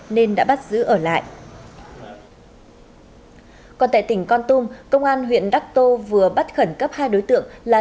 nên đã bắt giữ ở lại còn tại tỉnh con tum công an huyện đắc tô vừa bắt khẩn cấp hai đối tượng là